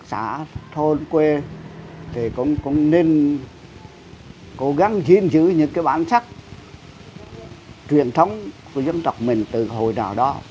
các làng quê thì cũng nên cố gắng giữ những bản sắc truyền thống của dân tộc mình từ hồi nào đó